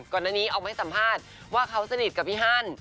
ก่อนหน้านี้ออกมาให้สัมภาษณ์ว่าเขาสนิทกับพี่ฮัน